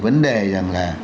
vấn đề là